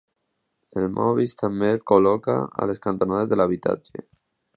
El maó vist també es col·loca a les cantonades de l'habitatge.